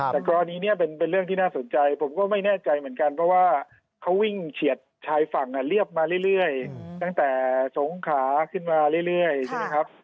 แต่กรณีนี้เป็นเรื่องที่น่าสนใจผมก็ไม่แน่ใจเหมือนกันเพราะว่าเขาวิ่งเฉียดชายฝั่งเรียบมาเรื่อยตั้งแต่สงขาขึ้นมาเรื่อยใช่ไหมครับ